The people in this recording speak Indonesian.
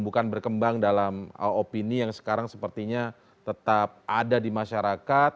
bukan berkembang dalam opini yang sekarang sepertinya tetap ada di masyarakat